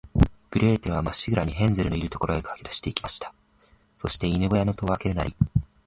グレーテルは、まっしぐらに、ヘンゼルのいる所へかけだして行きました。そして、犬ごやの戸をあけるなり、